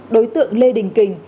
đối tượng lê đình kỳnh